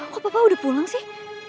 kok bapak udah pulang sih